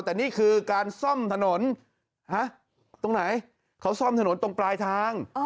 แต่นี่คือการซ่อมถนนตรงไหนเขาซ่อมถนนตรงปลายทาง